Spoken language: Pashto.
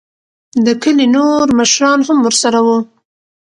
دکلي نوور مشران هم ورسره وو.